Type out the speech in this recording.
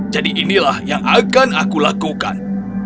jadi inilah yang akan aku lakukan